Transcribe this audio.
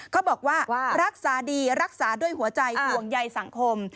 เขาบอกว่ารักษาดีรักษาด้วยหัวใจห่วงใยสังคม